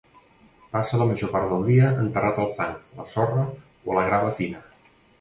Passa la major part del dia enterrat al fang, la sorra o la grava fina.